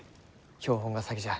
標本が先じゃ。